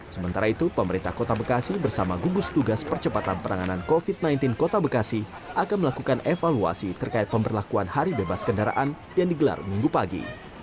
sementara itu pemerintah kota bekasi bersama gugus tugas percepatan penanganan covid sembilan belas kota bekasi akan melakukan evaluasi terkait pemberlakuan hari bebas kendaraan yang digelar minggu pagi